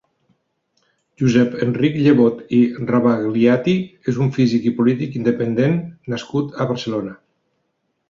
Josep Enric Llebot i Rabagliati és un físic i polític independent nascut a Barcelona.